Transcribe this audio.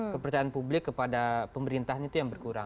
kepercayaan publik kepada pemerintahan itu yang berkurang